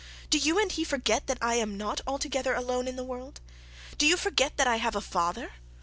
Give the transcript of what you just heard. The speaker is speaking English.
Do you and he forget that I am not altogether alone in this world? Do you forget that I have a father?